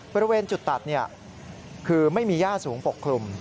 บริเวณจุดตัดคือไม่มีย่าสูงปกคลุม